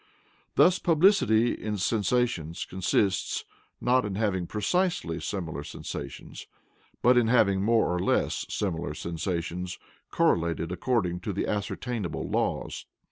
Thus publicity in sensations consists, not in having PRECISELY similar sensations, but in having more or less similar sensations correlated according to ascertainable laws.